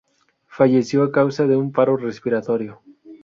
Falleció a causa de un paro respiratorio.